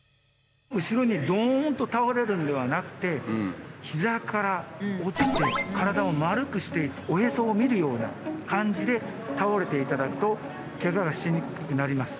後ろにどんと倒れるんではなくて膝から落ちて体を丸くしておへそを見るような感じで倒れていただくとケガがしにくくなります。